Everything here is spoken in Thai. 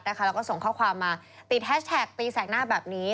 แล้วก็ส่งข้อความมาติดแฮชแท็กตีแสกหน้าแบบนี้